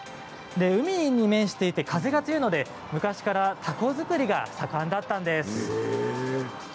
海に面していて風が強いので昔から凧作りが盛んだったんです。